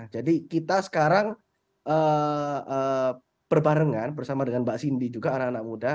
jadi kita sekarang berbarengan bersama dengan mbak cindy juga anak anak muda